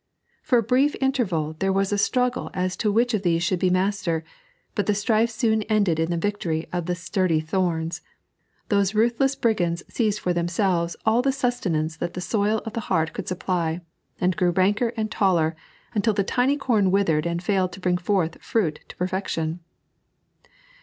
For a brief interval there was a struggle as to which of these should be master, but the strife soon ended in the victory c^ the sturdy thorns: those ruthless briganda seized for themselves alt the sustenance that the soil of the heart could supply, and grew ranker and taller, until the tiny com withered and failed to bring forth fruit to per fection.